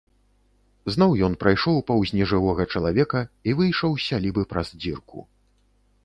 Зноў ён прайшоў паўз нежывога чалавека і выйшаў з сялібы праз дзірку.